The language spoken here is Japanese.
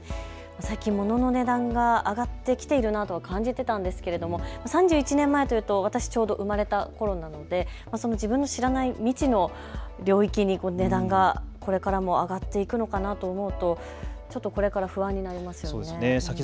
最近、ものの値段が上がってきているなと感じてたんですけれども３１年前というと私ちょうど生まれたころなので自分の知らない未知の領域に値段がこれからも上がっていくのかなと思うと、ちょっとこれから不安になりますよね。